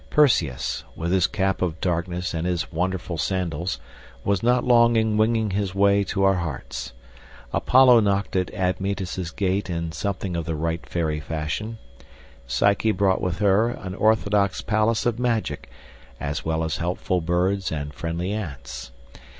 Perseus, with his cap of darkness and his wonderful sandals, was not long in winging his way to our hearts; Apollo knocked at Admetus' gate in something of the right fairy fashion; Psyche brought with her an orthodox palace of magic, as well as helpful birds and friendly ants.